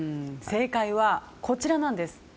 正解はこちらです。